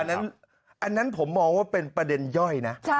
อันนั้นผมมองว่าเป็นประเด็นย่อยนะ